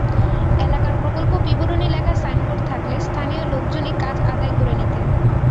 এলাকায় প্রকল্প বিবরণী লেখা সাইনবোর্ড থাকলে স্থানীয় লোকজনই কাজ আদায় করে নিতেন।